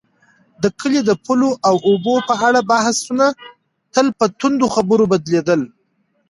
د کلي د پولو او اوبو په اړه بحثونه تل په توندو خبرو بدلېدل.